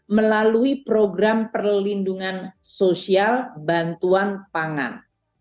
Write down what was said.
melalui program perlindungan sosial bantuan pangan